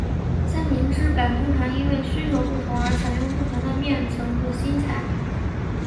三明治板通常因为需求不同而采用不同的面层和芯材。